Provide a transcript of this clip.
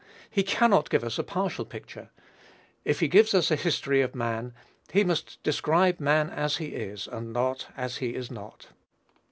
He cannot give us a partial picture. If he gives us a history of man, he must describe man as he is, and not as he is not.